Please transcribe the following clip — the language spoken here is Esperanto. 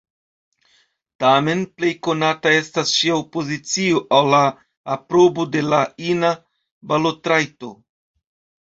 Tamen, plej konata estas ŝia opozicio al la aprobo de la ina balotrajto.